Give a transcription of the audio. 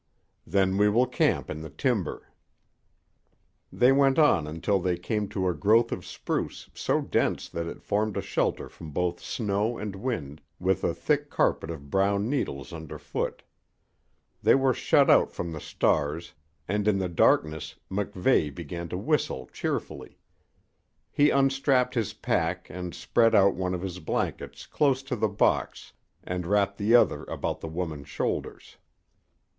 "Then we will camp in the timber." They went on until they came to a growth of spruce so dense that it formed a shelter from both snow and wind, with a thick carpet of brown needles under foot. They were shut out from the stars, and in the darkness MacVeigh began to whistle cheerfully. He unstrapped his pack and spread out one of his blankets close to the box and wrapped the other about the woman's shoulders.